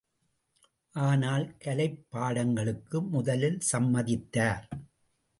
ஆனால் கலைப் பாடங்களுக்கு முதலில் சம்மதித்தார்.